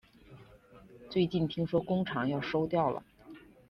最近听说工厂要收掉了